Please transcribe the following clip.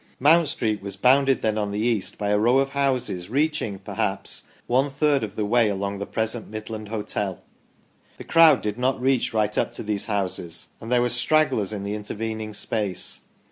Mount Street was bounded then on the east by a row of houses reaching, perhaps, one third of the way along the present Midland hotel ; the crowd did not reach right up to these houses, and there were stragglers in the inter vening space.